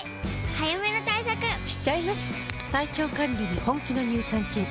早めの対策しちゃいます。